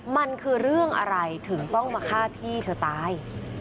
มันคือเรื่องอะไรถึงต้องมาฆ่าพี่เธอตาย